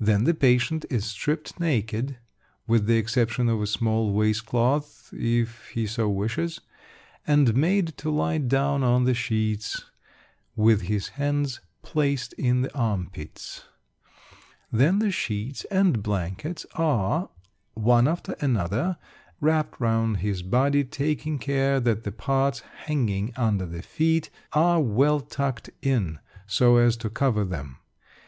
Then the patient is stripped naked (with the exception of a small waist cloth, if he so wishes), and made to lie down on the sheets, with his hands placed in the arm pits. Then the sheets and blankets are, one after another, wrapped round his body, taking care that the parts hanging under the feet are well tucked in so as to cover them.